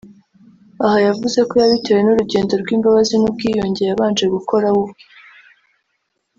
Aha yavuze ko yabitewe n’urugendo rw’imbabazi n’ubwiyunge yabanje gukora we ubwe